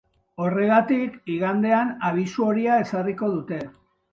Horregatik, igandean abisu horia ezarriko dute.